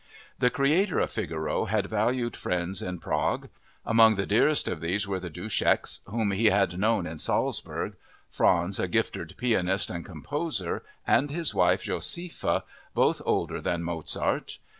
The creator of Figaro had valued friends in Prague. Among the dearest of these were the Duscheks, whom he had known in Salzburg—Franz, a gifted pianist and composer, and his wife, Josefa, both older than Mozart.